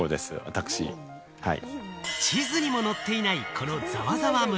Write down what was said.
地図にも載っていない、このザワザワ村。